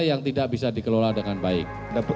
yang tidak bisa dikelola dengan baik